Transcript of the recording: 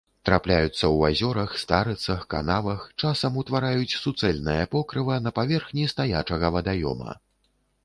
Трапляюцца ў азёрах, старыцах, канавах, часам утвараюць суцэльнае покрыва на паверхні стаячага вадаёма.